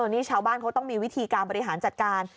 นี่ชาวบ้านเขาต้องมีวิธีการบริหารจัดการ